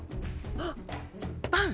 あっバン！